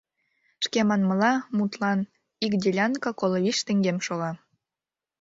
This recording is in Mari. Шке манмыла, мутлан, ик делянка коло вич теҥгем шога.